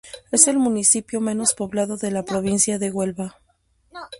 Es el municipio menos poblado de la provincia de Huelva.